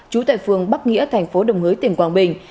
trú tại phường bắc nghĩa thành phố đồng hới tỉnh quảng bình